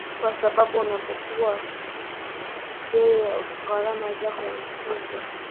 kwa sababu unapokuwa wewe gharama zako ni kubwa